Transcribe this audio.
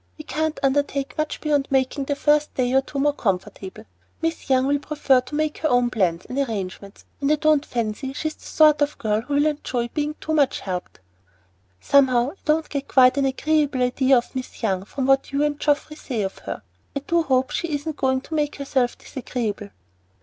We can't undertake much beyond making the first day or two more comfortable. Miss Young will prefer to make her own plans and arrangements; and I don't fancy she's the sort of girl who will enjoy being too much helped." "Somehow I don't get quite an agreeable idea of Miss Young from what you and Geoffrey say of her. I do hope she isn't going to make herself disagreeable."